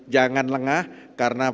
jangan lengah karena